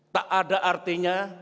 tak ada artinya